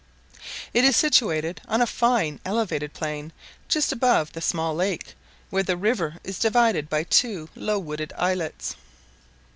It is situated on a fine elevated plain, just above the small lake, where the river is divided by two low wooded islets.